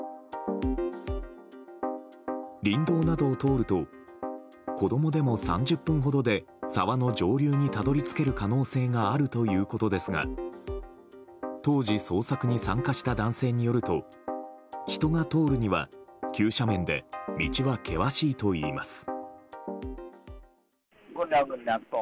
林道などを通ると子供でも３０分ほどで沢の上流にたどり着ける可能性があるということですが当時、捜索に参加した男性によると人が通るには急斜面で道は険しいといいます。